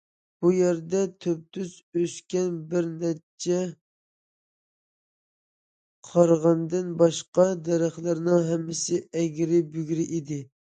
بۇ يەردە تۈپتۈز ئۆسكەن بىر نەچچە قارىغايدىن باشقا دەرەخلەرنىڭ ھەممىسى ئەگرى- بۈگرى ئىدى.